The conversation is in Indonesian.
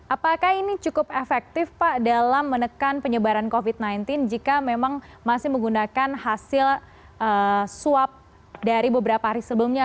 apakah ini cukup efektif pak dalam menekan penyebaran covid sembilan belas jika memang masih menggunakan hasil swab dari beberapa hari sebelumnya